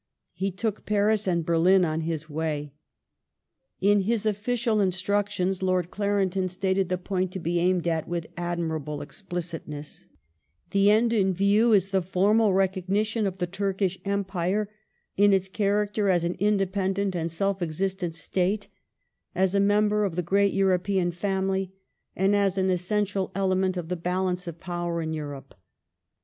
He took Paris and Berlin on his way. In his official instructions Lord 1857] DEATH OF THE CZAR NICHOLAS 24S Clarendon stated the point to be aimed at with admirable ex plicitness :" The end in view is the formal recognition of the Tm'kish Empire in its character as an independent and self exist ent state, as a member of the great Em opean family, and as an essential element of the balance of power in Em'ope.